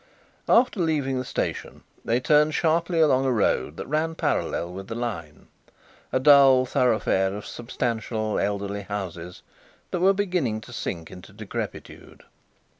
After leaving the station they turned sharply along a road that ran parallel with the line, a dull thoroughfare of substantial, elderly houses that were beginning to sink into decrepitude.